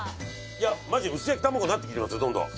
マジで薄焼き卵になってきてますよどんどん。